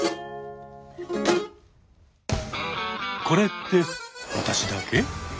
「これって私だけ？」。